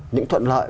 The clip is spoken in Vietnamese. những thuận lợi